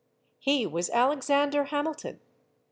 He was Alexander Hamilton.